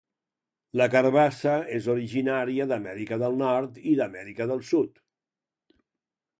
La carbassa és originaria d'Amèrica del Nord i d'Amèrica del Sud.